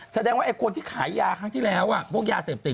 แสดงว่าไอ้คนที่ขายยาครั้งที่แล้วพวกยาเสพติด